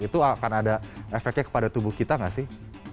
itu akan ada efeknya kepada tubuh kita nggak sih